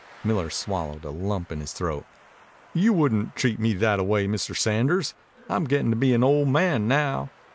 Miller swallowed a lump in his throat. "You wouldn't treat me thataway, Mr. Sanders. I'm gittin' to be an old man now.